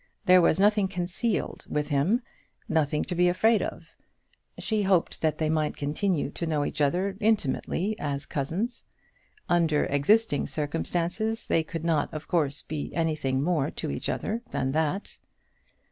There was nothing concealed with him, nothing to be afraid of. She hoped that they might continue to know each other intimately as cousins. Under existing circumstances they could not, of course, be anything more to each other than that.